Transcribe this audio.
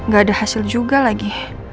gak ada hasil juga lagi